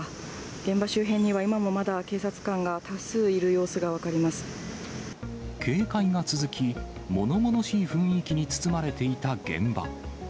現場周辺には、今もまだ警察官が警戒が続き、ものものしい雰囲気に包まれていた現場。